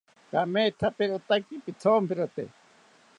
Kamethaperotaki pithonpirote